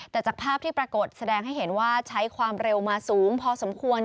แต่จากภาพที่ปรากฏแสดงให้เห็นว่าใช้ความเร็วมาสูงพอสมควร